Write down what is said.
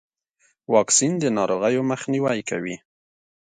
واکسین د ناروغیو مخنیوی کوي.